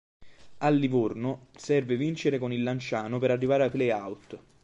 Al Livorno serve vincere con il Lanciano per arrivare ai play-out.